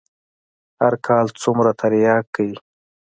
هر کال څومره ترياک کيي.